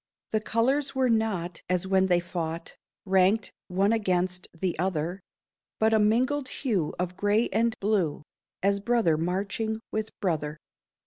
The colours were not, as when they fought, Ranked one against the other, But a mingled hue of gray and blue, As brother marching with brother.